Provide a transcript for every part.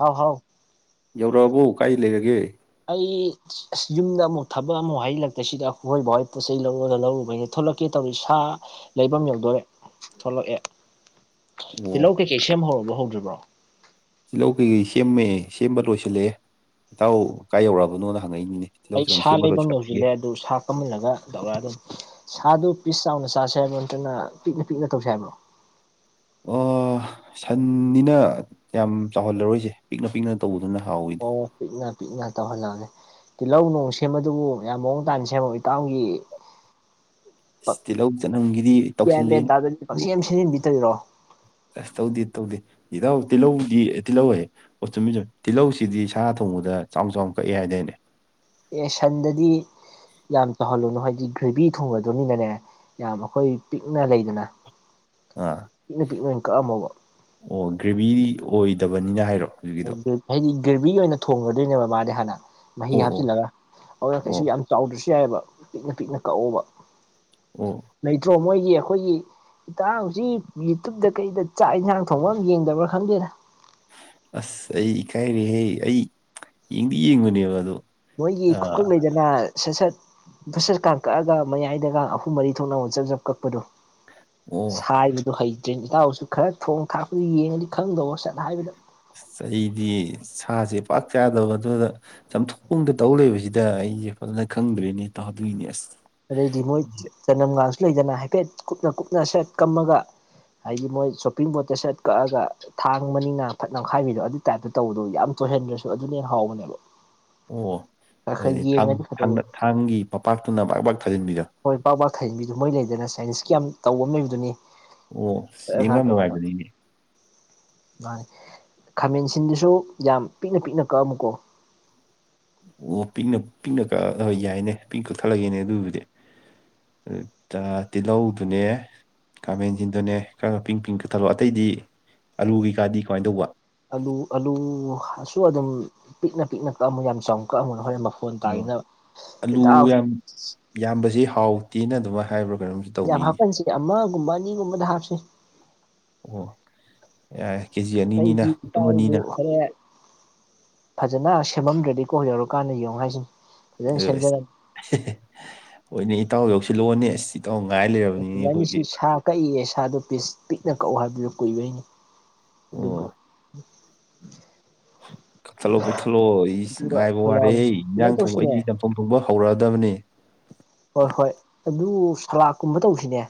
ꯍꯥꯎ ꯍꯥꯎ ꯌꯧꯔꯛꯑꯕꯕꯨ ꯀꯥꯏ ꯂꯩꯔꯒꯦ ꯑꯩ ꯑꯁ ꯌꯨꯝꯗ ꯑꯃꯨꯛ ꯊꯕꯛ ꯑꯃꯨꯛ ꯍꯥꯏꯖꯤꯜꯂꯛꯄꯁꯤꯗ ꯑꯩꯈꯣꯏ ꯕꯥ ꯍꯣꯢꯒꯤ ꯄꯣꯠꯆꯩ ꯂꯧꯔꯒ ꯂꯧꯔꯨꯕꯩꯅ ꯊꯣꯛ ꯊꯣꯛꯂꯛꯀꯦ ꯇꯧꯔꯤ ꯁꯥ ꯂꯩꯐꯝ ꯌꯧꯗꯣꯔꯦ ꯊꯣꯛꯂꯛꯑꯦ ꯇꯤꯜꯍꯧ ꯑꯣ ꯀꯩꯀꯩ ꯁꯦꯝꯍꯧꯔꯕꯣ ꯍꯧꯗ꯭ꯔꯤꯕ꯭ꯔꯣ ꯇꯤꯜꯍꯧ ꯀꯩꯀꯩ ꯁꯦꯝꯃꯦ ꯁꯦꯝꯕ ꯂꯣꯏꯁꯤꯜꯂꯛꯑꯦ ꯏꯇꯥꯎ ꯀꯥꯏ ꯌꯧꯔꯛꯑꯕꯅꯣꯅ ꯍꯪꯉꯛꯏꯅꯤꯅꯦ ꯇꯤꯜꯍꯧ ꯑꯩ ꯆꯅꯝ ꯁꯥ ꯁꯦꯝꯕ ꯂꯩꯐꯝ ꯂꯣꯏꯁꯤꯜꯂꯛꯄꯒꯤ ꯌꯧꯁꯤꯜꯂꯦ ꯑꯗꯨ ꯁꯥ ꯀꯝꯍꯜꯂꯒ ꯇꯧꯔ ꯑꯗꯨꯝ ꯁꯥꯗꯨ ꯄꯤꯁ ꯆꯥꯎꯅ ꯆꯥꯁꯦ ꯍꯥꯏꯕ꯭ꯔꯣ ꯅꯠꯇ꯭ꯔꯒꯅ ꯄꯤꯛꯅ ꯄꯤꯛꯅ ꯇꯧꯁꯦ ꯍꯥꯏꯕ꯭ꯔꯣ ꯑꯣ ꯁꯟꯅꯤꯅ ꯌꯥꯝ ꯆꯥꯎꯍꯜꯂꯔꯣꯏꯁꯦ ꯄꯤꯛꯅ ꯄꯤꯛꯅ ꯇꯧꯕꯗꯨꯅ ꯍꯥꯎꯋꯤꯗ ꯑꯣ ꯄꯤꯛꯅ ꯄꯤꯛꯅ ꯇꯧ ꯍꯜꯂꯛ ꯇꯤꯜꯍꯧ ꯅꯣꯡ ꯁꯦꯝꯕꯗꯨꯕꯨ ꯌꯥꯝ ꯃꯑꯣꯡ ꯇꯥꯅ ꯁꯦꯝꯃꯣ ꯏꯇꯥꯎꯝꯒꯤ ꯑꯁ ꯄꯛ ꯇꯤꯜꯍꯧ ꯆꯅꯝꯒꯤꯗꯤ ꯒ꯭ꯌꯥꯟ ꯃꯦꯟ ꯇꯧꯁꯤꯜꯂꯦꯅꯦ ꯇꯥꯗꯗꯤ ꯑꯗꯨ ꯄꯡꯁꯦꯝ ꯁꯦꯝꯖꯤꯟꯕꯤꯗꯔꯤꯔꯣ ꯑꯁ ꯇꯧꯗꯤ ꯇꯧꯗꯤ ꯏꯙꯧ ꯇꯤꯜꯍꯧꯗꯤ ꯑꯦ ꯇꯤꯜꯍꯧꯍꯥꯢꯋꯦ ꯑꯣ ꯆꯨꯝꯃꯤ ꯆꯨꯝꯃꯤ ꯇꯤꯜꯍꯧꯁꯤꯗꯤ ꯁꯥ ꯊꯣꯡꯕꯗ ꯆꯥꯎꯅ ꯆꯥꯎꯅ ꯀꯛꯑꯦ ꯍꯥꯏꯗꯅꯦ [inaudible] ꯑꯦ ꯁꯟꯗꯗꯤ ꯌꯥꯝ ꯇꯧꯍꯜꯂꯨꯅꯨ ꯍꯥꯏꯗꯤ ꯒ꯭ꯔꯦꯚꯤ ꯊꯣꯡꯕꯗꯣꯏꯅꯤꯅꯅꯦ ꯌꯥꯝ ꯑꯩꯈꯣꯏ ꯄꯤꯛꯅ ꯂꯩꯗꯅ ꯑꯥ ꯄꯤꯛꯅ ꯄꯤꯛꯅ ꯑꯣꯏꯅ ꯀꯛꯑꯝꯃꯣꯕ ꯑꯣ ꯒ꯭ꯔꯦꯚꯤ ꯑꯣꯏꯗꯕꯅꯤꯅ ꯍꯥꯏꯔꯣ ꯍꯧꯖꯤꯛꯀꯤꯗꯣ ꯍꯥꯏꯗꯤ ꯒꯦꯚꯔꯤ ꯑꯣꯏꯅ ꯊꯣꯡꯒꯗꯣꯏꯅꯦꯕ ꯃꯥꯗꯤ ꯍꯥꯟꯅ ꯃꯍꯤ ꯑꯣ ꯑꯣ ꯍꯥꯞꯆꯤꯜꯂꯒ ꯑꯗꯨꯅ ꯑꯣ ꯀꯩꯁꯨ ꯌꯥꯝ ꯆꯥꯎꯗ꯭ꯔꯁꯨ ꯌꯥꯏꯑꯦꯕ ꯄꯤꯛꯅ ꯄꯤꯛꯅ ꯀꯛꯑꯣꯕ ꯑꯣ ꯂꯩꯇ꯭ꯔꯣ ꯃꯣꯏꯒꯤ ꯑꯩꯈꯣꯏꯒꯤ ꯏꯇꯥꯎꯁꯤ ꯌꯨꯇꯨꯞꯇ ꯀꯩꯗ ꯆꯥꯛ ꯌꯦꯟꯁꯥꯡ ꯊꯣꯡꯕ ꯑꯃ ꯌꯦꯡꯗꯕ꯭ꯔꯥ ꯈꯪꯗꯦꯗ ꯑꯁ ꯑꯩ ꯏꯀꯥꯏꯔꯦꯍꯦ ꯑꯩ ꯌꯦꯡꯗꯤ ꯌꯦꯡꯕꯅꯦꯕ ꯑꯗꯣ ꯃꯣꯏꯒꯤ ꯑꯥ ꯈꯨꯀꯪ ꯂꯩꯗꯅ ꯁꯠ ꯁꯠ ꯨꯕꯁꯦꯁ ꯀꯥ ꯀꯛꯑꯒ ꯃꯌꯥꯏꯗꯒ ꯑꯍꯨꯝ ꯃꯔꯤ ꯊꯣꯛꯅ ꯖꯞ ꯖꯞ ꯀꯛꯄꯗꯣ ꯑꯣ ꯁꯥꯏꯕꯗꯣ ꯍꯩ ꯇ꯭ꯔꯦꯟ ꯏꯇꯥꯎꯁꯨ ꯈꯔ ꯊꯣꯡ ꯊꯥꯛꯄꯗ ꯌꯦꯡꯉꯗꯤ ꯈꯪꯗꯧꯕ ꯁꯠ ꯍꯥꯏꯕꯗ ꯑꯁ ꯑꯩꯗꯤ ꯁꯥꯁꯦ ꯄꯥꯛ ꯆꯥꯗꯕ ꯑꯗꯨꯗ ꯆꯝꯊꯣꯛꯗ ꯇꯧ ꯂꯩꯕꯁꯤꯗ ꯑꯩꯁꯦ ꯐꯖꯅ ꯈꯪꯗ꯭ꯔꯦꯅꯦ ꯏꯇꯥꯎꯗꯨꯢꯅꯦ ꯑꯁ ꯑꯗꯩꯗꯤ ꯃꯣꯏ ꯑꯩꯁꯦ- ꯆꯅꯝꯒꯁꯨ ꯂꯩꯗꯅ ꯍꯥꯏꯐꯦꯠ ꯀꯨꯞꯅ ꯀꯨꯞꯅ ꯁꯦꯠ ꯀꯝꯃꯒ ꯍꯥꯏꯗꯤ ꯃꯣꯏ ꯆꯣꯞꯄꯤꯡ ꯕꯣꯠꯇ ꯁꯔꯠ ꯀꯛꯑꯒ ꯊꯥꯡ ꯃꯅꯤꯡꯅ ꯐꯠꯅꯈꯥꯏꯕꯤꯗꯣ ꯑꯗꯨꯒꯤ ꯇꯥꯏꯞꯇ ꯇꯧꯕꯗꯣ ꯌꯥꯝ ꯆꯣꯏꯍꯟꯗ꯭ꯔꯁꯨ ꯑꯗꯨꯅ ꯍꯟꯅ ꯍꯥꯎꯕꯅꯦꯕ ꯑꯣ ꯈꯔ ꯈꯔ ꯑꯗꯨꯗꯤ ꯌꯦꯡꯉꯗꯤ ꯐꯗꯧꯕ ꯊꯥꯡꯒꯤ ꯃꯄꯥꯛꯇꯨꯅ ꯕꯥꯥꯛ ꯕꯥꯛ ꯊꯥꯖꯤꯟꯕꯤꯗꯣ ꯊꯩ ꯏꯟꯕꯤꯗꯨ ꯃꯣꯏ ꯂꯩꯗꯅ ꯆꯥꯏꯁꯀꯤ ꯌꯥꯝ ꯇꯧꯕ ꯑꯃ ꯂꯩꯕꯗꯨꯅꯤ ꯑꯣ ꯈꯔ ꯌꯦꯡꯕ ꯈꯔ ꯇꯧꯔꯒ ꯅꯨꯡꯉꯥꯏꯕꯅꯤꯅꯦ ꯃꯥꯅꯤ ꯈꯥꯃꯦꯟꯁꯤꯟꯗꯨꯁꯨ ꯌꯥꯝ ꯄꯤꯛꯅ ꯄꯤꯛꯅ ꯀꯛꯑꯝꯃꯨꯀꯣ ꯑꯣ ꯄꯤꯛꯅ ꯄꯤꯛꯅ ꯀꯛꯑꯒ ꯌꯥꯏꯅꯦ ꯄꯤꯡ ꯀꯛꯊꯠꯂꯒꯦꯅꯦ ꯑꯗꯨꯕꯨꯗꯤ ꯇꯥ ꯇꯤꯜꯍꯧꯗꯨꯅꯦ ꯈꯥꯃꯦꯟꯁꯤꯡꯗꯨꯅꯦ ꯈꯔꯒ ꯄꯤꯡ ꯄꯤꯡ ꯀꯛ ꯊꯜꯂꯛꯑꯣ ꯑꯇꯩꯗꯤ ꯑꯥꯂꯨ ꯀꯩꯀꯥꯗꯤ ꯀꯃꯥꯏꯅ ꯇꯧꯕ ꯑꯂꯨ ꯑꯂꯨꯁꯨ ꯑꯗꯨꯝ ꯄꯤꯛꯅ ꯄꯤꯛꯅ ꯀꯛꯑꯃꯨ ꯌꯥꯝ ꯆꯥꯎ ꯀꯛꯑꯝꯒꯅꯣ ꯍꯣꯔꯦꯟ ꯃꯐꯣꯟ ꯑꯣ ꯇꯥꯈꯤꯅꯕ ꯑꯂꯨ ꯏꯇꯥꯎ ꯌꯥꯝ ꯌꯥꯝꯕꯁꯤ ꯍꯥꯎꯇꯦꯅ ꯑꯗꯨꯃꯥꯏꯅ ꯍꯥꯏꯕ꯭ꯔꯣ ꯌꯥꯝ ꯍꯥꯞꯄꯟꯁꯤ ꯑꯃꯒꯨꯝꯕ ꯑꯅꯤꯒꯨꯝꯕꯗ ꯍꯥꯞꯁꯤ ꯑꯣ ꯌꯥꯏ ꯑꯩꯒꯤ ꯏꯇꯥꯎꯗꯨ ꯍꯔꯦꯟ ꯐꯖꯅ ꯁꯦꯝꯃꯝꯗ꯭ꯔꯗꯤꯀꯣ ꯌꯧꯔꯛꯀꯥꯟꯗ ꯌꯦꯡꯉꯨ ꯍꯥꯏꯁꯤꯅꯤ ꯐꯖꯅ ꯑꯁ ꯁꯦꯝꯖꯔ ꯍꯦ ꯍꯦ ꯍꯣꯏꯅꯦ ꯏꯇꯥꯎ ꯌꯧꯁꯤꯜꯂꯛꯑꯣꯅꯦ ꯏꯇꯥꯎ ꯉꯥꯏ ꯂꯩꯔꯕꯅꯤꯅꯦ ꯑꯩꯈꯣꯏꯗꯤ ꯕꯥꯅꯤꯁꯤ ꯁꯥ ꯀꯛꯏꯌꯦ ꯁꯥꯗꯣ ꯄꯤꯁ ꯄꯤꯛꯅ ꯀꯛꯎ ꯍꯥꯏꯕꯗꯨ ꯀꯨꯏꯕꯩꯅꯤ ꯑꯣ ꯑꯗꯨꯒ ꯀꯛꯊꯠꯂꯣ ꯀꯛꯊꯠꯂꯣ ꯑꯁ ꯑꯗꯨꯒ ꯉꯥꯏꯕ ꯋꯥꯔꯦꯍꯦ ꯈꯜꯂꯛꯑꯒꯦ ꯀꯩꯅꯣ ꯏꯟꯖꯥꯡ ꯊꯣꯡꯕ ꯑꯩꯗꯤ ꯇꯧꯁꯤꯅꯦ ꯆꯝꯊꯣꯡ ꯊꯣꯡꯕ ꯍꯧꯔ ꯑꯗꯕꯅꯤ ꯍꯣꯏ ꯍꯣꯏ ꯑꯗꯨ ꯁꯂꯥꯥꯠ ꯀꯨꯝꯕ ꯇꯧꯁꯤꯅꯦ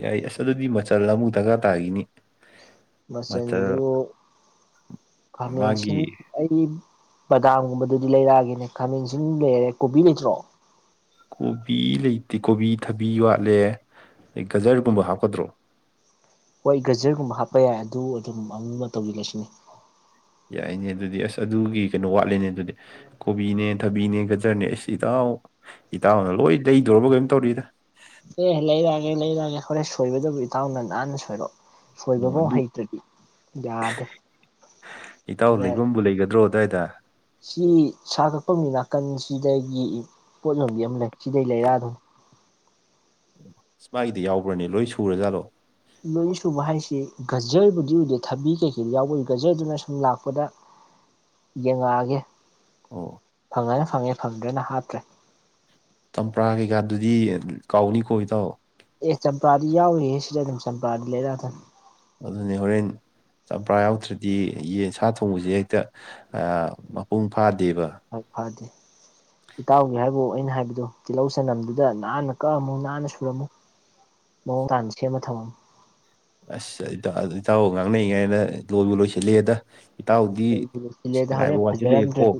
ꯌꯥꯏ ꯑꯁ ꯑꯗꯨꯗꯤ ꯃꯆꯜ ꯑꯃꯨꯛ ꯗꯔꯀꯥꯔ ꯇꯥꯈꯤꯅꯤ ꯃꯆꯜ ꯃꯆꯟꯗꯨ ꯈꯃꯦꯟꯁꯤꯟ ꯃꯥꯒꯤ ꯑꯩ ꯕꯗꯥꯝꯒꯨꯝꯕꯗꯨꯗꯤ ꯂꯩꯔꯛꯑꯒꯦꯅꯦ ꯈꯥꯃꯦꯟꯁꯤꯟꯕꯤ ꯂꯩꯔꯦ ꯀꯣꯕꯤ ꯂꯩꯇ꯭ꯔꯣ ꯀꯣꯕꯤ ꯂꯩꯇꯦ ꯀꯣꯕꯤ ꯊꯕꯤ ꯋꯥꯠꯂꯦ ꯑꯩ ꯒꯖꯔꯒꯨꯝꯕ ꯍꯥꯞꯀꯗ꯭ꯔꯣ ꯍꯣꯏ ꯒꯖꯔꯒꯨꯝꯕ ꯍꯥꯞꯄ ꯌꯥꯏ ꯑꯗꯨ ꯑꯗꯨꯝ ꯑꯃꯝꯕ ꯇꯧꯁꯤꯜꯂꯁꯤꯅꯦ ꯌꯥꯏꯅꯦ ꯑꯗꯨꯗꯤ ꯑꯁ ꯑꯗꯨꯒꯤ ꯀꯩꯅꯣ ꯋꯥꯠꯂꯦꯅꯦ ꯑꯗꯨꯗꯤ ꯀꯣꯕꯤꯅꯦ ꯊꯕꯤꯅꯦ ꯒꯖꯔꯅꯦ ꯑꯁ ꯏꯇꯎ ꯏꯇꯥꯎꯅ ꯂꯣꯏ ꯂꯩꯗꯧꯔꯕ ꯀꯩꯅꯣꯝ ꯇꯧꯔꯤꯗ ꯂꯩꯔꯛ ꯑꯒꯦ ꯍꯣꯔꯦꯟ ꯁꯣꯏꯕꯗꯕꯨ ꯏꯇꯥꯎꯅ ꯅꯥꯥꯟꯅ ꯁꯣꯏꯔꯛꯑꯣ ꯑꯣ ꯁꯣꯏꯕꯕꯧ ꯑꯗꯨ ꯍꯩꯇ꯭ꯔꯗꯤ ꯌꯥꯗꯦ ꯏꯇꯥꯎ ꯍꯣꯔꯦꯟ ꯂꯩꯕꯝꯕꯨ ꯂꯩꯒꯗ꯭ꯔꯣ ꯑꯗꯥꯏ ꯁꯤ ꯁꯥ ꯀꯛꯐꯝꯒꯤ ꯅ ꯅꯥꯀꯟꯁꯤꯗꯒꯤ ꯄꯣꯠ ꯌꯣꯝꯕꯤ ꯑꯃ ꯂꯩ ꯁꯤꯗꯒꯤ ꯂꯩꯔꯛ ꯑꯗꯝꯅꯦ ꯏꯁ ꯃꯥꯒꯤꯗꯤ ꯌꯥꯎꯕ꯭ꯔꯣꯅꯦ ꯂꯣꯏ ꯁꯨꯔꯖꯥꯠꯂꯣ ꯂꯣꯏ ꯁꯨꯕ ꯍꯥꯏꯁꯤ ꯒꯖꯔꯕꯨꯗꯤ ꯎꯗꯦ ꯊꯕꯤ ꯀꯩꯀꯩꯗꯤ ꯌꯥꯎꯕ ꯎꯏ ꯒꯖꯔꯗꯨꯅ ꯁꯨꯝ ꯂꯥꯛꯄꯗ ꯌꯦꯡꯉꯛꯑꯒꯦ ꯑꯣ ꯐꯪꯉꯅ ꯐꯪꯉꯦ ꯐꯪꯗ꯭ꯔꯥꯒꯅ ꯍꯥꯞꯇ꯭ꯔꯦ ꯆꯝꯄ꯭ꯔꯥ ꯀꯩꯀꯥꯗꯨꯗꯤ ꯀꯥꯎꯅꯤ ꯀꯣ ꯏꯇꯥꯎ ꯑꯦ ꯆꯝꯄꯔꯥꯗꯤ ꯌꯥꯎꯅꯤꯍꯦ ꯁꯤꯗ ꯗꯨꯝ ꯆꯝꯄ꯭ꯔꯥꯗꯤ ꯂꯩꯔꯛꯑꯗꯝ ꯑꯗꯨꯅꯦ ꯍꯣꯔꯦꯟ ꯆꯝꯄ꯭ꯔꯥ ꯌꯥꯎꯗ꯭ꯔꯗꯤ ꯌꯦꯟ ꯁꯥ ꯊꯣꯡꯕꯁꯦ ꯍꯦꯛꯇ ꯃꯄꯨꯡ ꯐꯥ ꯍꯣꯏ ꯐꯗꯦ ꯏꯇꯥꯎꯒꯤ ꯍꯥꯏꯕꯨ ꯑꯩꯅ ꯍꯥꯏꯕꯗꯤ ꯑꯗꯣ ꯇꯤꯜꯍꯧ ꯆꯅꯝꯗꯨꯗ ꯅꯥꯟꯅ ꯀꯛꯑꯝꯃꯨ ꯅꯥꯟꯅ ꯁꯦꯝꯃꯝꯃꯨ ꯃꯑꯣꯡ ꯇꯥꯟ ꯁꯦꯝꯃ ꯊꯝ ꯑꯁ ꯏꯇꯥꯎ ꯉꯥꯡꯅꯩꯉꯥꯏ ꯗ ꯂꯣꯏꯕꯨ ꯂꯣꯏꯁꯤꯑꯦꯗ ꯂꯣꯏꯕꯨ ꯂꯣꯏꯁꯤꯟꯂꯛ ꯑꯦ ꯗ ꯍꯣꯔꯦꯟ ꯋꯥꯠꯁꯤꯜꯂꯛꯑꯦꯀꯣ ꯐꯖꯔꯝ꯭ꯗꯔꯥꯗꯤ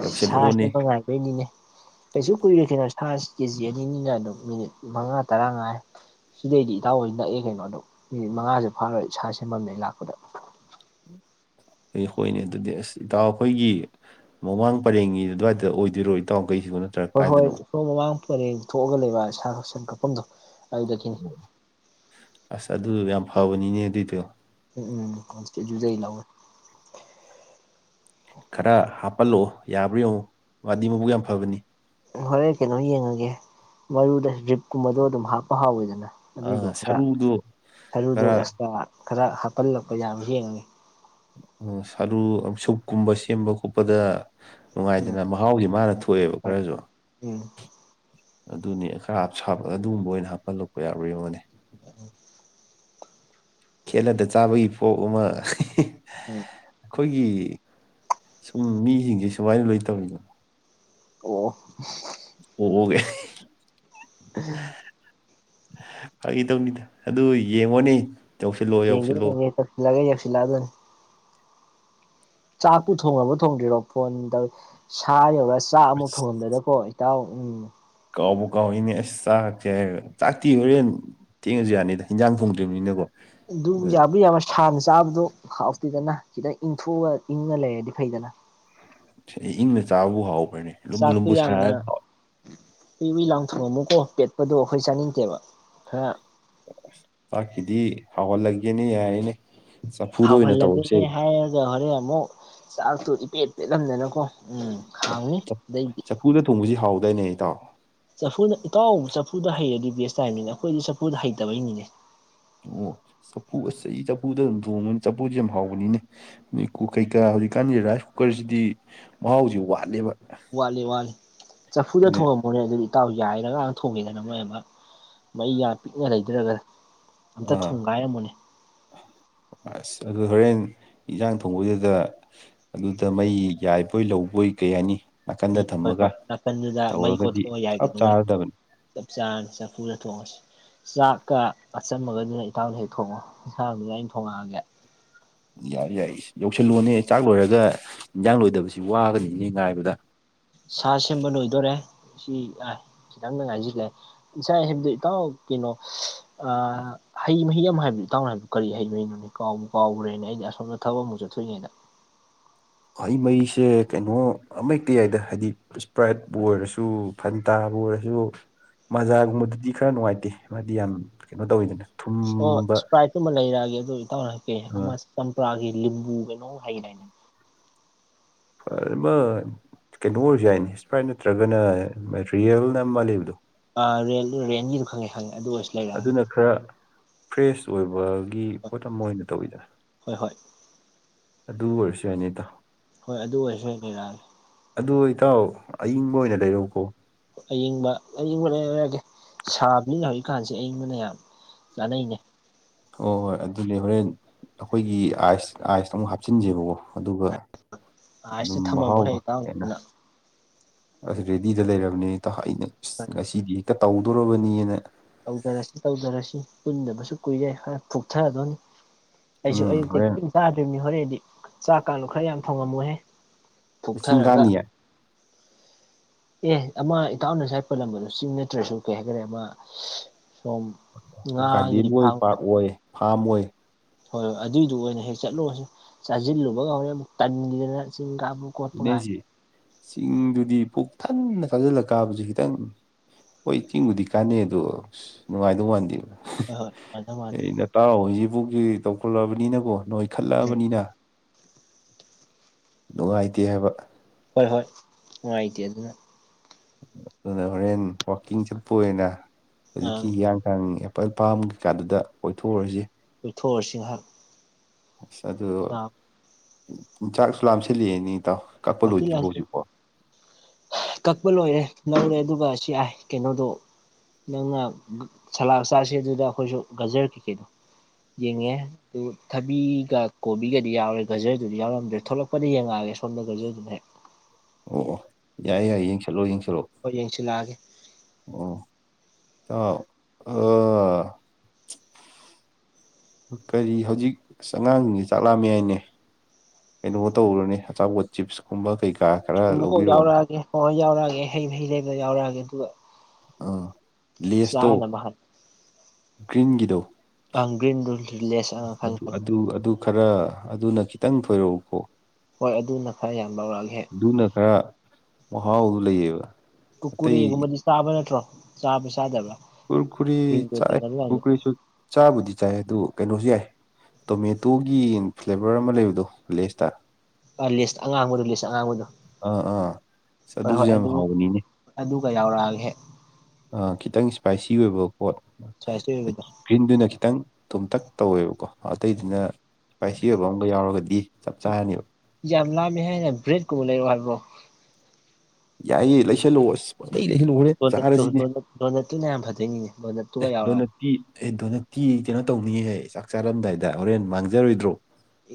ꯌꯧꯁꯤꯜꯂꯛꯑꯣꯅꯦ ꯁꯥꯁꯦꯝꯕ ꯉꯥꯏꯗꯣꯏꯅꯤꯅꯦ ꯀꯩꯁꯨ ꯀꯨꯏꯔꯣꯏ ꯀꯩꯅꯣ ꯁꯥ ꯀꯦ ꯖꯤ ꯑꯅꯤꯅꯤꯅ ꯑꯗꯨꯝ ꯃꯤꯅꯤꯠ ꯃꯉꯥ ꯇꯔꯥꯉꯥꯏ ꯁꯤꯗꯩꯗꯤ ꯏꯇꯥꯎꯍꯣꯏ ꯅꯛꯑꯦ ꯀꯩꯅꯣ ꯑꯗꯨꯝ ꯃꯤꯅꯤꯠ ꯃꯉꯥꯁꯨ ꯐꯥꯔꯣꯏ ꯁꯥꯁꯦꯝꯕꯝꯗꯩ ꯂꯥꯛꯄꯗ ꯎꯝ ꯑꯩ ꯍꯣꯏꯅꯦ ꯑꯗꯨꯗꯤ ꯑꯁ ꯏꯇꯥꯎ ꯈꯣꯏꯒꯤ ꯃꯃꯥꯡ ꯄꯔꯦꯡꯒꯤ ꯑꯗꯨꯋꯥꯏꯗ ꯑꯣꯏꯗꯣꯏꯔꯣ ꯏꯇꯥꯎ ꯍꯣꯏ ꯍꯣꯏ ꯁꯣꯝ ꯃꯃꯥꯡ ꯄꯔꯦꯡ ꯊꯣꯛꯑꯒ ꯂꯩꯕ ꯁꯥꯁꯟ ꯀꯥꯛꯐꯝ ꯂꯩꯕ ꯑꯗꯨꯗꯒꯤꯅꯤ ꯑꯁ ꯑꯗꯨ ꯌꯥꯝ ꯐꯕꯅꯤꯅꯦ ꯑꯗꯨꯏꯗꯣ ꯎꯝ ꯎꯝ ꯍꯧꯖꯤꯛꯀꯤꯗꯨꯨꯗꯩ ꯂꯧꯋꯦ ꯈꯔ ꯍꯥꯞꯄꯜꯂꯛꯑꯣ ꯌꯥꯕ꯭ꯔꯥ ꯌꯦꯡꯉꯨ ꯃꯗꯤ ꯃꯕꯨꯛ ꯌꯥꯝ ꯐꯕꯅꯤ ꯍꯣꯔꯦꯟ ꯀꯩꯅꯣ ꯌꯦꯡꯉꯒꯦ ꯃꯔꯨꯗ ꯔꯤꯞꯀꯨꯝꯕꯗꯨ ꯑꯗꯨꯝ ꯍꯥꯞꯄ ꯍꯥꯎꯋꯤꯗꯅ ꯑꯗꯨꯏꯗꯣ ꯑ ꯈꯔ ꯁꯔꯨꯗꯣ ꯁꯔꯨꯗꯣ ꯈꯔ ꯑꯦꯛꯁꯇ꯭ꯔꯥ ꯈꯔ ꯍꯥꯞꯐꯜꯂꯛꯄ ꯌꯥꯕ꯭ꯔ ꯌꯦꯡꯉꯒꯦ ꯑꯣ ꯁꯥꯂꯨ ꯁꯨꯞꯀꯨꯝꯕ ꯁꯦꯝꯕ ꯈꯣꯠꯄꯗ ꯎꯝ ꯅꯨꯡꯉꯥꯏꯗꯅ ꯃꯍꯥꯎꯁꯤ ꯃꯥꯅ ꯊꯣꯛꯑꯦꯕ ꯍꯣꯏ ꯈꯔꯁꯨ ꯎꯝ ꯑꯗꯨꯅꯦ ꯈꯔ ꯍꯥꯞ ꯁꯥꯞꯕꯒ ꯑꯗꯨꯒꯨꯝꯕ ꯑꯣꯏꯅ ꯍꯥꯞꯐꯜꯂꯛꯄ ꯌꯥꯕ꯭ꯔꯥ ꯌꯦꯡꯉꯣꯅꯦ ꯑ [inaudible] ꯈꯦꯠꯂꯗ ꯆꯕꯒꯤ ꯐꯣꯛ ꯑꯃ ꯍꯤꯍꯤ ꯎꯝ ꯑꯩꯈꯣꯏꯒꯤ ꯁꯨꯝ ꯃꯤꯁꯤꯡꯁꯦ ꯁꯨꯃꯥꯏꯅ ꯂꯣꯏꯇꯧꯋꯤꯗꯅ ꯑꯣꯑꯣ ꯑꯣ ꯑꯣ ꯐꯒꯤ ꯇꯧꯅꯤꯗ ꯑꯗꯨ ꯌꯦꯡꯉꯣꯅꯦ ꯌꯧꯁꯤꯜꯂꯣ [unintelligible] ꯌꯧꯁꯤꯜꯂꯣ ꯇꯧꯁꯤꯟꯂꯛ ꯑ ꯒꯦ ꯌꯧꯁꯤꯟ ꯂꯛꯑꯗꯕꯅꯦ ꯆꯥꯛꯄꯨ ꯊꯣꯡꯉꯕꯣ ꯊꯣꯡꯗ꯭ꯔꯤꯔꯣ ꯐꯣꯟ ꯇꯧꯋꯤ ꯁꯥ ꯌꯧꯔꯒ ꯆꯥꯛ ꯑꯃꯨꯛ ꯑꯁ ꯊꯣꯡꯉꯝꯗꯗꯅꯀꯣ ꯏꯇꯥꯎ ꯎꯝ ꯀꯥꯎꯕꯨ ꯀꯥꯎꯏꯅꯦ ꯑꯁ ꯆꯥꯛꯁꯦ ꯆꯛꯇꯤ ꯍꯣꯔꯦꯟ ꯊꯦꯡꯉꯁꯨ ꯌꯥꯅꯤꯗ ꯍꯤꯟꯖꯥꯡ ꯊꯣꯡꯗ꯭ꯔꯤꯕꯅꯤꯅꯀꯣ ꯑꯗꯨꯕꯨ ꯑꯗꯨ ꯌꯥꯕꯨꯗꯤ ꯌꯥꯕ ꯁꯥꯟ ꯆꯥꯕꯗꯣ ꯍꯥꯎꯇꯦꯗꯅ ꯈꯤꯇꯪ ꯏꯪꯊꯣꯛꯑ ꯏꯪꯉ ꯂꯩꯔꯗꯤ ꯐꯩꯗꯅ ꯏꯪꯅ ꯆꯥꯕꯨ ꯍꯥꯎ ꯆꯥꯛꯇꯨ ꯌꯥꯝꯅ ꯎꯨꯏꯎꯨꯨꯏꯂꯥꯎꯅ ꯊꯣꯡꯉꯝꯃꯣꯀꯣ ꯄꯦꯠ ꯄꯗꯣ ꯑꯩꯈꯣꯏ ꯆꯥꯅꯤꯡꯗꯦꯕ ꯈꯔ ꯆꯥꯛꯀꯤꯗꯤ ꯍꯥꯎꯍꯟꯂꯒꯦꯅꯦ ꯌꯥꯏꯑꯦꯅꯦ ꯍꯥꯎꯍꯜꯂꯒꯅꯦ ꯍꯥꯏꯔꯒ ꯍꯣꯔꯦꯟ ꯑꯃꯨꯛ ꯆꯥꯛꯇꯨ ꯏꯄꯦꯠ ꯄꯦꯠꯂꯝꯗꯅꯀꯣ ꯎꯝ ꯈꯥꯡꯅꯤ ꯑꯗꯩꯗꯤ ꯆꯐꯨꯗ ꯊꯣꯡꯕꯁꯤ ꯍꯥꯎꯗꯥꯏꯅꯦ ꯏꯇꯥꯎ ꯆꯐꯨꯗ ꯏꯇꯥꯎ ꯆꯐꯨꯗ ꯍꯩꯔꯗꯤ ꯕꯦꯁ ꯇꯥꯏꯃꯤꯅꯦ ꯑꯩꯈꯣꯏꯗꯤ ꯆꯐꯨꯗ ꯍꯩꯇꯕꯩꯅꯤꯅꯦ ꯑꯣ ꯆꯐꯨ ꯑꯁꯤꯁ ꯑꯩ ꯆꯐꯨꯗ ꯑꯗꯨꯝ ꯊꯣꯡꯕꯅꯤ ꯆꯐꯨꯁ ꯌꯥꯝ ꯍꯥꯎꯕꯅꯤꯅꯦ ꯅꯣꯏ ꯀꯨꯀꯩ ꯀꯥ ꯍꯧꯖꯤꯛꯀꯥꯟꯒꯤ ꯔꯥꯏꯁ ꯀꯨꯀꯔꯁꯤꯗꯤ ꯃꯍꯥꯎꯁꯤ ꯋꯥꯠꯂꯦꯕ ꯋꯥꯠꯂꯦ ꯋꯥꯠꯂꯦ ꯆꯐꯨꯗ ꯊꯣꯡꯉꯝꯃꯣꯅꯦ ꯑꯗꯨꯗꯤ ꯇꯥꯎ ꯌꯥꯏꯔꯒꯥꯅ ꯊꯣꯡꯉꯦꯗꯅ ꯃꯣꯏ ꯑꯃ ꯃꯩ ꯌꯥꯝ ꯄꯤꯛꯅ ꯂꯩꯗꯔꯒ ꯑꯥ ꯑꯁ ꯑꯗꯨ ꯍꯣꯔꯦꯟ ꯏꯟꯁꯥꯡ ꯊꯣꯡꯕꯗꯨꯗ ꯑꯗꯨꯗ ꯃꯩ ꯌꯥꯏꯕꯣꯏ ꯂꯧꯕꯣꯏ ꯀꯩꯍꯥꯏꯅꯤ ꯎꯝ ꯍꯣꯏ ꯍꯣꯏ ꯅꯥꯀꯟꯗꯨꯗ ꯃꯩ ꯇꯧꯔꯒꯗꯤ ꯀꯣꯠꯊꯣꯛ ꯆꯞ ꯌꯥꯏꯕꯗꯣ ꯃꯣꯏ ꯆꯥꯔꯗꯕꯅꯤ ꯆꯞꯆꯔꯅꯤ ꯆꯐꯨꯗ ꯊꯣꯡꯉꯁꯤ ꯆꯥꯛꯀ ꯑꯆꯝꯃꯒꯗꯨꯅ ꯏꯇꯥꯥꯎꯅ ꯍꯦꯛ ꯊꯣꯡꯉꯣ ꯁꯥꯗꯨꯅ ꯑꯩꯅ ꯊꯣꯡꯉꯛꯑꯒꯦ ꯌꯥꯏ ꯌꯥꯏ ꯌꯧꯁꯤꯜꯂꯨꯅꯦ ꯆꯥꯛ ꯂꯣꯏꯔꯒ ꯏꯟꯖꯥꯡ ꯂꯣꯏꯗꯕꯁꯤ ꯋꯥꯒꯅꯤꯅꯦ ꯉꯥꯏꯕꯗ ꯁꯥ ꯁꯦꯝꯕ ꯂꯣꯏꯗꯣꯔꯦ ꯁꯤ ꯈꯤꯇꯪꯗ ꯉꯥꯏꯁꯤꯜꯂꯦ ꯉꯁꯥꯏ ꯍꯥꯏꯕꯗꯣ ꯏꯇꯥꯎ ꯀꯩꯅꯣ ꯍꯩ ꯃꯍꯤ ꯑꯃ ꯍꯥꯏꯕꯗꯨ ꯏꯇꯥꯎꯅ ꯍꯥꯏꯕ ꯀꯔꯤ ꯍꯩ ꯃꯍꯤꯅꯣꯅꯦ ꯀꯥꯎꯕꯨ ꯀꯥꯎꯒ꯭ꯔꯦꯅꯦ ꯑꯩꯩꯗꯤ ꯑꯁꯣꯝꯗ ꯊꯕꯛ ꯑꯃꯨꯛ ꯆꯠꯊꯣꯛꯏꯉꯩꯗ [inaudible] [unintelligible] ꯍꯩ ꯃꯍꯤꯁꯦ ꯀꯩꯅꯣ ꯑꯃꯍꯦꯛꯇ ꯌꯥꯏꯗ ꯍꯥꯏꯗꯤ ꯏꯁꯄ꯭ꯔꯥꯏꯠꯄꯨ ꯑꯣꯏꯔꯁꯨ ꯐꯟ ꯇ ꯕꯨ ꯑꯣꯏꯔꯁꯨ ꯃꯖꯥꯒꯨꯝꯕꯗꯨꯗꯤ ꯈꯔ ꯅꯨꯡꯉꯥꯏꯇꯦ ꯃꯥꯗꯤ ꯌꯥꯝ ꯀꯩꯅꯣ ꯇꯧꯋꯤꯗꯅ ꯑꯣ ꯊꯨꯝꯕ ꯏꯁꯄ꯭ꯔꯥꯏꯇꯨ ꯑꯃ ꯂꯩꯔꯛꯑꯒꯦ ꯑꯗꯨ ꯏꯇꯥꯎꯔꯛꯀꯦ ꯑꯃ ꯆꯝꯄ꯭ꯔꯥꯒꯤ ꯂꯤꯝꯕꯨ ꯀꯩꯅꯣ ꯍꯥꯏꯅꯦ ꯐꯔꯦ ꯕꯥꯏ ꯀꯩꯅꯣ ꯑꯣꯏꯔꯁꯨ ꯌꯥꯏꯅꯦ ꯏꯁꯄ꯭ꯔꯥꯏꯠ ꯅꯠꯇ꯭ꯔꯒꯅ ꯔꯤꯌꯦꯜꯅ ꯑꯃ ꯂꯩꯕꯗꯣ ꯑ ꯔꯦꯟ ꯔꯦꯟꯒꯤꯗꯨ ꯈꯪꯉꯦ ꯈꯪꯉꯦ ꯑꯗꯨ ꯑꯣꯏꯔꯁꯨ ꯂꯩꯔꯛꯑꯒꯦ ꯑꯗꯨꯅ ꯈꯔ ꯐ꯭ꯔꯦꯁ ꯑꯣꯏꯕꯒꯤ ꯄꯣꯠ ꯑꯃ ꯑꯣꯏꯅ ꯇꯧꯋꯤꯗ ꯍꯣꯏ ꯍꯣꯏ ꯍꯣꯏ ꯑꯗꯨ ꯑꯣꯏꯔꯁꯨ ꯌꯥꯏꯅꯦ ꯏꯇꯥꯎ ꯍꯣꯏ ꯑꯗꯨ ꯑꯣꯏꯔꯁꯨ ꯑꯣꯏ ꯂꯩꯔꯛꯑꯒꯦ ꯑꯗꯨ ꯏꯇꯥꯎ ꯑꯌꯤꯡꯕ ꯑꯣꯏꯅ ꯂꯩꯔꯛꯎꯀꯣ ꯑꯌꯤꯡꯕ ꯀꯥꯟꯁꯦ ꯑꯌꯤꯡꯕꯅ ꯌꯥꯝ ꯆꯥꯅꯩꯅꯦ ꯑꯣ ꯍꯣꯏ ꯑꯗꯨꯅꯦ ꯍꯣꯔꯦꯟ ꯑꯩꯈꯣꯏꯒꯤ ꯑꯥꯏꯁ ꯑꯥꯏꯁ ꯑꯃꯨꯛ ꯍꯥꯞꯆꯤꯟꯁꯦꯕꯀꯣ ꯑꯗꯨꯒ ꯑꯥꯏꯁꯇ ꯑꯗꯨꯝ ꯊꯝꯃꯝꯃꯣ ꯍꯦ ꯃꯍꯥꯎꯕ ꯍꯦꯟꯅ ꯏꯇꯥꯎꯗꯨꯅ ꯑꯁ ꯔꯦꯗꯤꯗ ꯂꯩꯔꯕꯅꯦ ꯑꯩꯅ ꯑ ꯉꯁꯤꯗꯤ ꯍꯦꯛꯇ ꯇꯧꯗꯣꯔꯕꯅꯤꯅ ꯇꯧꯗꯔꯁꯤ ꯇꯧꯗꯔꯁꯤ ꯄꯨꯟꯗꯕꯁꯨ ꯀꯨꯏꯔꯦ ꯍꯣꯔꯦꯟ ꯐꯣꯛꯊꯗꯣꯏꯅꯤ ꯑꯩꯁꯨ ꯎꯝ ꯑꯌꯨꯛꯇꯒꯤ ꯍꯣꯔꯦꯟ ꯀꯩꯝ ꯆꯥꯗ꯭ꯔꯤꯕꯅꯤ ꯍꯣꯔꯦꯟꯗꯤ ꯆꯥꯛꯀꯥꯗꯣ ꯈꯔ ꯌꯥꯝ ꯊꯣꯡꯉꯝꯃꯨꯍꯦ ꯆꯤꯡꯀꯥꯅꯤꯌꯦ ꯑꯦ ꯑꯃ ꯏꯇꯥꯎꯅꯉꯁꯥ ꯄꯜꯂꯝꯕꯗꯣ ꯆꯤꯡ ꯅꯠꯇ꯭ꯔꯁꯨ ꯀꯩ ꯍꯥꯏꯈꯔꯦ ꯑꯃ ꯁꯣꯝ ꯒꯥꯔꯗꯦꯟ ꯉꯥꯒꯤ ꯑꯣꯏ ꯐꯥꯝ ꯄꯥꯔꯛ ꯑꯣꯏ ꯐꯥꯝ ꯑꯣꯏ ꯍꯣꯏ ꯍꯣꯏ ꯑꯗꯨꯏꯗꯨ ꯑꯣꯏꯅ ꯍꯦꯛ ꯆꯠꯂꯨꯔꯁꯨ ꯆꯥꯁꯤꯜꯂꯨꯕꯒ ꯍꯣꯔꯦꯟ ꯇꯟꯗꯅ ꯆꯤꯡ ꯀꯥꯕ ꯈꯣꯠꯄꯒ ꯅꯦꯁꯦ ꯆꯤꯡꯗꯨꯗꯤ ꯄꯨꯛ ꯊꯟꯅ ꯆꯥꯖꯤꯜꯂ ꯀꯥꯕꯁꯨ ꯈꯤꯇꯪ ꯍꯣꯏ ꯆꯤꯡꯕꯨꯗꯤ ꯀꯥꯟꯅꯩ ꯑꯗꯣ ꯅꯨꯡꯉꯥꯏꯗꯧ ꯃꯥꯟꯗꯦ ꯍꯣꯏ ꯍꯣꯏ ꯃꯥꯅꯦ ꯃꯥꯅꯦ ꯑꯩꯅ ꯇꯥꯎꯍꯣꯏꯁꯤ ꯕꯨꯛꯒꯤ ꯇꯧꯈꯠꯂꯕꯅꯤꯅꯀꯣ ꯎꯝ ꯅꯣꯏꯈꯠꯂꯛꯑꯕꯅꯤꯅ ꯅꯨꯡꯉꯥꯏꯇꯦ ꯍꯥꯏꯕ ꯍꯣꯏ ꯅꯨꯡꯉꯥꯏꯇ ꯑꯗꯨꯅ ꯑꯗꯨꯗꯅ ꯍꯣꯔꯦꯟ ꯋꯥꯀꯤꯡ ꯆꯠꯄ ꯑꯣꯏꯅ ꯑꯥ ꯍꯧꯖꯤꯛꯀꯤ ꯍꯤꯌꯥꯡꯊꯥꯡ ꯐꯥꯝ ꯀꯩꯀꯥꯗꯨꯗ ꯀꯣꯏꯊꯣꯛꯎꯔꯁꯤ ꯊꯣꯛꯑꯨꯁꯤ ꯉꯥꯏꯍꯥꯛ ꯑꯁ ꯑꯗꯨ ꯉꯥꯏꯍꯥꯛ ꯆꯥꯛꯁꯨ ꯂꯥꯝꯁꯤꯜꯂꯛꯑꯦꯅꯦ ꯏꯇꯥꯎ ꯀꯛꯄ ꯂꯥꯝꯁꯤꯜ ꯂꯣꯏꯗ꯭ꯔꯤꯕꯣ ꯂꯥꯝꯁꯤꯜ ꯍꯧꯖꯤꯛꯄꯣ ꯀꯛꯄ ꯂꯣꯏꯔꯦ ꯂꯧꯔꯦ ꯑꯗꯨꯒ ꯁꯤ ꯌꯥꯏ ꯀꯩꯅꯣꯗꯣ ꯅꯪꯅ ꯁꯂꯥꯛ ꯆꯥꯁꯦ ꯗꯨꯗ ꯑꯩꯈꯣꯏꯁꯨ ꯒꯥꯖꯔ ꯀꯩꯀꯩꯗꯣ ꯌꯦꯡꯉꯦ ꯑꯗꯨ ꯊꯕꯤꯒ ꯀꯣꯕꯤꯒꯗꯤ ꯌꯥꯎꯔꯦ ꯒꯖꯔꯗꯨꯗꯤ ꯌꯥꯎꯔꯝꯗ꯭ꯔꯦ ꯊꯣꯛꯂꯛꯄꯗ ꯌꯦꯡꯉꯛꯑꯒꯦ ꯁꯣꯝꯗ ꯒꯖ꯭ꯔ ꯗꯨꯅꯅꯦ ꯌꯥꯏ ꯌꯥꯏ ꯌꯦꯡꯁꯜꯂꯣ ꯌꯦꯡꯁꯜꯂꯣ ꯍꯣꯏ ꯌꯦꯡꯁꯤꯜꯂꯛꯑꯒꯦ ꯑꯣ ꯑ ꯑ ꯀꯔꯤ ꯍꯧꯖꯤꯛ ꯑ ꯑꯉꯥꯡꯁꯤꯡꯁꯤ ꯆꯥꯛꯂꯥꯝ ꯃꯦ ꯍꯥꯏꯅꯦ ꯀꯩꯅꯣ ꯇꯧꯔꯨꯅꯦ ꯑꯆꯥꯄꯣꯠ ꯆꯤꯞꯁꯀꯨꯝꯕ ꯀꯩ ꯀꯨꯝ ꯃꯀꯣꯛ ꯌꯥꯎꯔꯛꯑꯒꯦ ꯍ ꯌꯥꯎꯔꯛꯑꯒꯦ ꯍꯩ ꯃꯍ ꯍꯩ ꯂꯩꯕ ꯌꯥꯎꯔꯑꯒꯦ ꯑꯗꯨꯒ ꯑ ꯂꯦꯁꯇꯣ ꯆꯥꯅꯕ ꯍꯥꯟ ꯒ꯭ꯔꯤꯟꯒꯤꯗꯣ ꯑꯪ ꯒ꯭ꯔꯤꯟꯗꯨ ꯂꯦꯁ ꯑꯪ ꯑꯁ ꯈꯪꯉꯦ ꯑꯗꯨ ꯈꯪꯉꯦ ꯑꯗꯨ ꯑꯗꯨ ꯈꯔ ꯑꯗꯨꯅ ꯈꯤꯇꯪ ꯊꯣꯏꯔꯛꯎꯀꯣ ꯍꯣꯏ ꯑꯗꯨꯅ ꯈꯔ ꯌꯥꯝ ꯂꯧꯔꯛꯑꯒꯦ ꯃꯥꯍꯥꯎ ꯂꯩꯑꯦꯕ ꯀꯨꯀꯨꯔꯦꯒꯨꯝꯕꯗꯤ ꯆꯥꯕ ꯅꯠꯇ꯭ꯔꯣ ꯆꯥꯕ ꯆꯥꯗꯕ ꯀꯨꯨꯨꯀꯨꯔꯦ ꯆꯥꯏ ꯀꯔꯀꯨꯔꯤꯁꯨ ꯆꯥꯕꯨꯗꯤ ꯆꯥꯏ ꯑꯗꯨ ꯀꯩꯅꯣꯁꯨ ꯌꯥꯏ ꯇꯣꯃꯦꯇꯣꯒꯤ ꯐ꯭ꯂꯦꯕꯔ ꯑꯃ ꯂꯩꯕꯗꯣ ꯂꯦꯁꯇ ꯑ ꯂꯤꯁ ꯑꯉꯥꯡꯕꯗꯨ ꯂꯤꯁ ꯑꯉꯥꯡꯕꯗꯨ ꯑꯥ ꯑꯥ ꯑꯁ ꯍꯣꯏ ꯑꯗꯨꯁꯨ ꯍꯣꯏ ꯌꯥꯝ ꯑꯗꯨ ꯍꯥꯎꯕꯅꯤꯅꯦ ꯑꯗꯨꯒ ꯌꯥꯎꯔꯛꯑꯒꯦ ꯍꯦꯛ ꯥ ꯈꯤꯇꯪ ꯏꯁꯄꯥꯏꯁꯤ ꯑꯣꯏꯕ ꯄꯣꯠ ꯁ꯭ꯋꯥꯏꯁꯇ ꯑꯣꯏꯕꯗꯣ ꯒ꯭ꯔꯤꯟꯗꯨꯅ ꯈꯤꯇꯪ ꯇꯣꯝꯇꯛ ꯇꯧꯋꯦꯕꯀꯣ ꯑꯇꯩꯗꯨꯅ ꯏꯁꯄꯥꯏꯁꯤ ꯑꯣꯏꯕ ꯑꯃꯒ ꯌꯥꯎꯔꯒꯗꯤ ꯆꯞ ꯆꯥꯔꯅꯤꯕ ꯍꯦꯟꯅ ꯕ꯭ꯔꯦꯗꯀꯨꯝ ꯂꯩꯔꯑꯣ ꯍꯥꯏꯕ꯭ꯔꯣ ꯌꯥꯏꯌꯦ ꯂꯩꯁꯜꯂꯛꯑꯣ ꯄꯪꯂꯩ ꯂꯩꯁꯜ ꯂꯛ ꯑꯣꯅꯦ ꯆꯥꯔꯁꯤꯅꯦ ꯗꯣꯅꯠꯇꯨ ꯗꯣꯅꯠꯇꯨꯅ ꯌꯥꯝ ꯐꯗꯣꯏꯅꯤꯅꯦ ꯗꯣꯅꯠꯇꯨꯒ ꯌꯥꯎꯔꯛꯑꯒꯦ ꯗꯣꯅꯠꯇꯤ ꯗ ꯀꯩꯅꯣ ꯇꯧꯅꯤꯡꯍꯦ ꯆꯥꯛ ꯆꯥꯔꯝꯗꯥꯏꯗ ꯍꯣꯔꯦꯟ ꯃꯥꯡꯖꯔꯣꯏꯗ꯭ꯔꯣ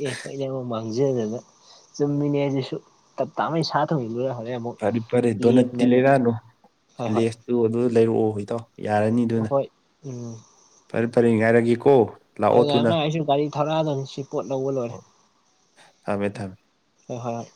ꯑꯦ ꯍꯣꯏ ꯅꯪꯉꯣ ꯃꯥꯡꯖꯗꯅ ꯆꯨꯝꯃꯤꯅꯦ ꯑꯗꯨꯁꯨ ꯇꯞ ꯇꯥꯉꯩ ꯁꯥ ꯊꯣꯡꯅꯤ ꯂꯣꯏꯔ ꯐꯔꯦ ꯐꯔꯦ ꯗꯣꯅꯠꯇꯤ ꯂꯩꯔꯛꯑꯅꯨ ꯍꯣꯏ ꯍꯣꯏ ꯂꯦꯁ ꯇ ꯂꯩꯔꯛꯑꯣ ꯏꯇꯥꯎ ꯌꯥꯔꯅꯤ ꯑꯗꯨꯅ ꯍꯣꯏ ꯎꯝ ꯐꯔꯦ ꯐꯔꯦ ꯉꯥꯏꯔꯒꯦꯀꯣ ꯍꯣꯏ ꯂꯥꯛꯑꯣ ꯉꯥꯏ ꯊꯨꯅ ꯉꯥꯏꯌꯨꯁꯦ ꯒꯥꯔꯤ ꯊꯧꯔꯛꯑꯗꯅꯤ ꯁꯤ ꯄꯣꯠ ꯂꯧꯕ ꯂꯣꯏꯔꯦ ꯊꯝꯃꯦ ꯊꯝꯃꯦ ꯍꯣꯏ ꯍꯣꯏ